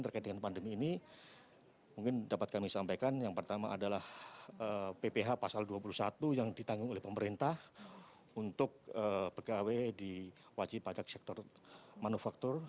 terkait dengan pandemi ini mungkin dapat kami sampaikan yang pertama adalah pph pasal dua puluh satu yang ditanggung oleh pemerintah untuk pegawai di wajib pajak sektor manufaktur